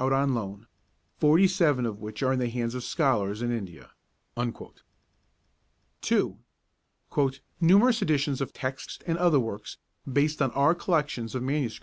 out on loan, 47 of which are in the hands of scholars in India.' 2. 'Numerous editions of texts and other works based on our collections of MSS.